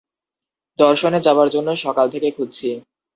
দর্শনে যাওয়ার জন্য সকাল থেকে খুঁজছি।